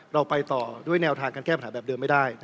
เราไปต่อด้วยแนวทางการแก้ปัญหาแบบเดิมไม่ได้